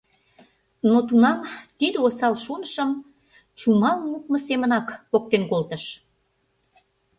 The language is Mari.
Но тунам тиде осал шонышым чумал лукмо семынак поктен колтыш.